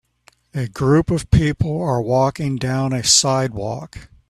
A group of people are walking down a sidewalk.